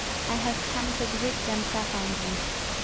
I have come to greet them profoundly."